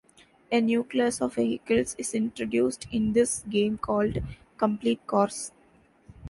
A new class of vehicles is introduced in this game called "Complete Cars".